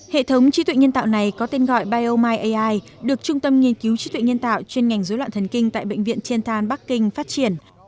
hệ thống trí tuệ nhân tạo này có tên gọi biomyai được trung tâm nghiên cứu trí tuệ nhân tạo trên ngành dối loạn thần kinh tại bệnh viện tien thanh bắc kinh phát triển